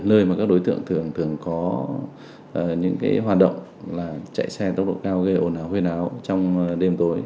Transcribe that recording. nơi mà các đối tượng thường có những hoạt động là chạy xe tốc độ cao gây ồn ào huyền áo trong đêm tối